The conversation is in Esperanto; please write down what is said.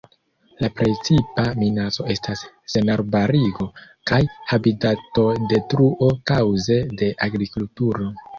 La precipa minaco estas senarbarigo kaj habitatodetruo kaŭze de agrikulturo.